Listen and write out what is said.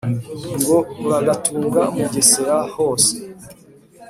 ngo uragatunga mugesera hose.